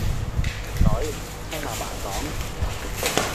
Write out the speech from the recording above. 女，聽阿爸講